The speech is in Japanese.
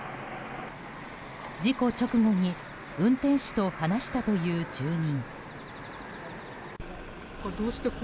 事故直後に運転手と話したという住人。